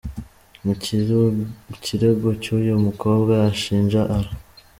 Mu kirego cy’uyu mukobwa ashinja R.